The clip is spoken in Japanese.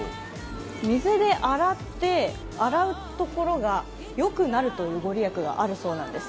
水で洗って、洗うところがよくなるという御利益があるそうです。